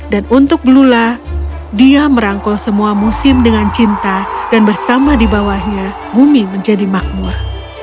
dan untuk blula dia merangkul semua musim dengan cinta dan bersama di bawahnya bumi menjadi makmur